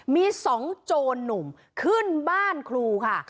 มี๒โจรหนุ่มขึ้นบ้านครูค่ะ